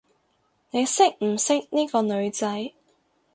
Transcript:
你識唔識呢個女仔？